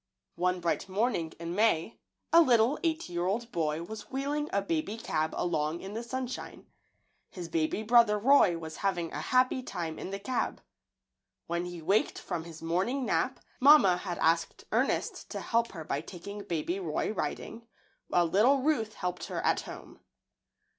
One bright morning in May, a little eight year old boy was wheeling a baby cab along in the sunshine. His baby brother Roy was having a happy time in the cab. When he waked from his morning nap mamma had asked Ernest to help her by taking baby Roy riding, while little Ruth helped her at home.